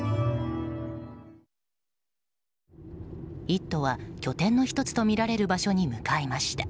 「イット！」は拠点の１つとみられる場所に向かいました。